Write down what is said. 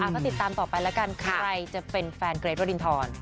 ก็ติดตามต่อไปแล้วกันใครจะเป็นแฟนเกรทวรินทร